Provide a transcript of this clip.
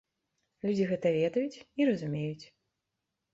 Людзі гэта ведаюць і разумеюць.